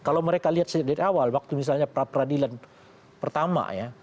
kalau mereka lihat dari awal waktu misalnya pra peradilan pertama ya